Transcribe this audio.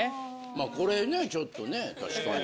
まあこれねちょっとね確かに。